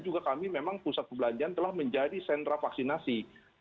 juga kami memang pusat perbelanjaan telah menjadi sentra vaksinasi